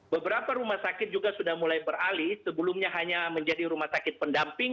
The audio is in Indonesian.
beberapa rumah sakit juga sudah mulai beralih sebelumnya hanya menjadi rumah sakit pendamping